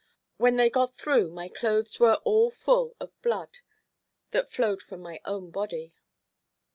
When they got through my clothes were all full of blood that flowed from my own body.